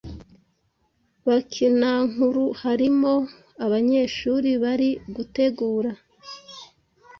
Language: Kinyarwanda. bakinankuru harimo abanyeshuri bari gutegura